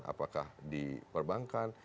apakah di perbankan